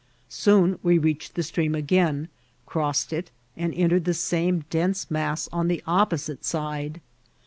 Soon we reached the stream again, crossed it, and entered the same dense mass on the opposite side.